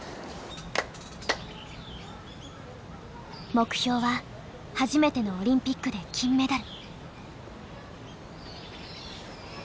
目標は初めてのオリンピックで金メダル。